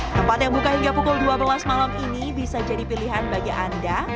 tempat yang buka hingga pukul dua belas malam ini bisa jadi pilihan bagi anda